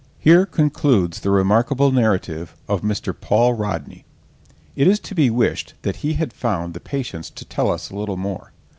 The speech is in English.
Here concludes the remarkable narrative of Mr. Paul Rodney. It is to be wished that he had found the patience to tell us a little more.